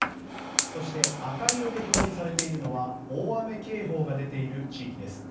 そして赤色で表示されているのは大雨警報が出ている地域です。